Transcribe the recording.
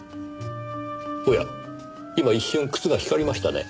おや今一瞬靴が光りましたね。